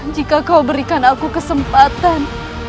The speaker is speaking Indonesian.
jika kau berikan aku kesempatan